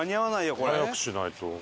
これ。早くしないと。